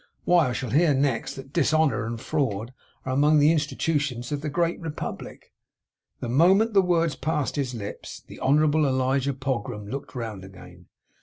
Why, I shall hear next that Dishonour and Fraud are among the Institutions of the great republic!' The moment the words passed his lips, the Honourable Elijah Pogram looked round again.